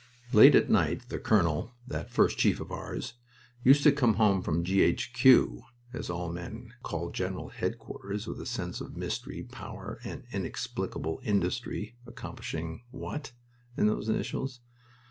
Late at night the colonel that first chief of ours used to come home from G. H. Q., as all men called General Headquarters with a sense of mystery, power, and inexplicable industry accomplishing what? in those initials.